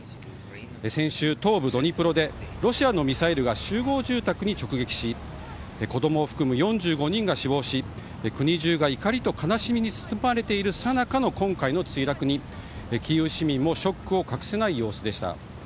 先週、東部ドニプロでロシアのミサイルが集合住宅に直撃し子供を含む４５人が死亡し国中が怒りと悲しみに包まれているさなかの今回の墜落にキーウ市民も、ショックを隠せない様子でした。